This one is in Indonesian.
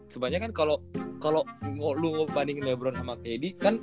sebenernya kan kalo kalo lo ngebandingin lebron sama teddy